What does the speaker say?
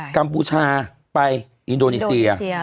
กัมพูชาไปอินโดนีเซีย